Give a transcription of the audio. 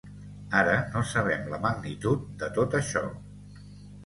Ara no sabem la magnitud de tot això.